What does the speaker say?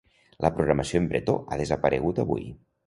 La programació en bretó ha desaparegut avui.